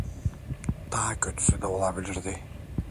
Daha kötüsü de olabilirdi.